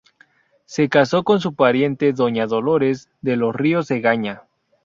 Se casó con su pariente doña Dolores de los Ríos Egaña.